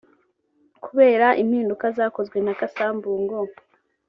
Kubera impinduka zakozwe na Cassa Mbungo